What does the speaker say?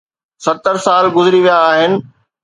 ستر سال گذري ويا آهن.